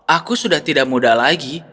aku sudah tidak muda lagi